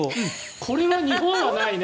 これは日本はないね。